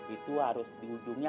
itu harus di ujungnya